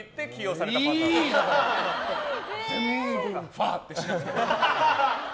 ファーってしなくて。